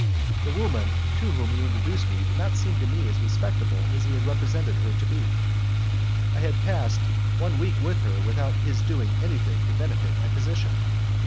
The woman to whom he introduced me did not seem to me as respectable as he had represented her to be. I have passed one week with her without his doing anything to benefit my position.